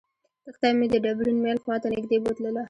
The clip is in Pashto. کښتۍ مې د ډبرین میل خواته نږدې بوتلله.